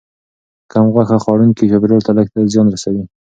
کم غوښه خوړونکي چاپیریال ته لږ زیان رسوي.